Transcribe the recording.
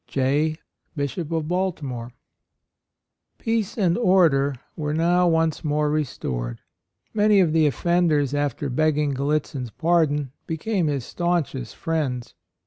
"*i*] , Bishop of Baltimore." AND MOTHER. 105 Peace and order were now once more restored. Many of the offenders, after begging Gallitzin's pardon, became his stanchest friends.